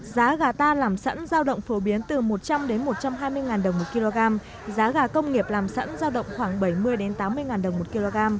giá gà ta làm sẵn giao động phổ biến từ một trăm linh một trăm hai mươi đồng một kg giá gà công nghiệp làm sẵn giao động khoảng bảy mươi tám mươi ngàn đồng một kg